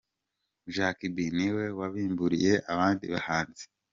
Jack B niwe wabimburiye abandi bahanzi:.